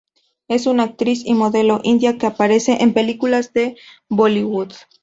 Es una actriz y modelo india que aparece en películas de Bollywood.